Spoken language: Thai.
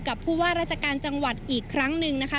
ผู้ว่าราชการจังหวัดอีกครั้งหนึ่งนะคะ